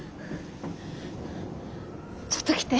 ちょっと来て。